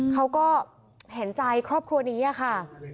เขาก็เห็นใจครอบครัวนี้ค่ะ